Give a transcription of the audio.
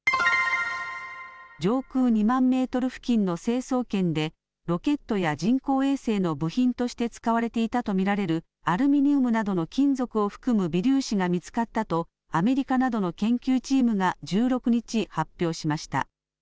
上空２万メートル付近の成層圏でロケットや人工衛星の部品として使われていたと見られるアルミニウムなどの金属を含む微粒子が見つかったとアメリカなどの研究チームが１６日、発表しました。